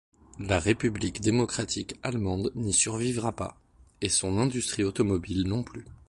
La République démocratique allemande n’y survivra pas, et son industrie automobile non plus.